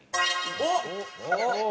おっ！